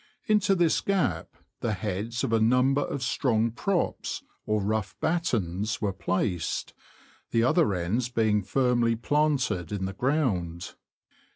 Into this gap the heads of a number of strong props, or rough battens, were placed, the other ends being firmly planted in the ground.